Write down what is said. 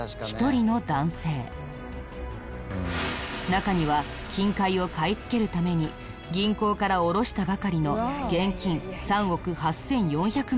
中には金塊を買い付けるために銀行から下ろしたばかりの現金３億８４００万円が。